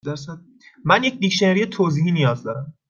من یک دیکشنری توضیحی نیاز دارم.